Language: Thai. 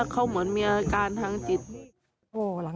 เขาเหมือนมีอาการทางจิต